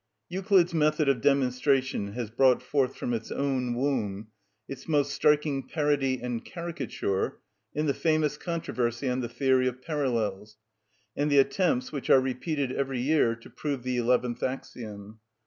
Euclid's method of demonstration has brought forth from its own womb its most striking parody and caricature in the famous controversy on the theory of parallels, and the attempts, which are repeated every year, to prove the eleventh axiom.